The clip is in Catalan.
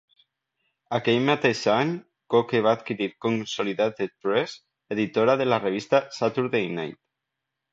Aquell mateix any, Cooke va adquirir Consolidated Press, editora de la revista "Saturday Night".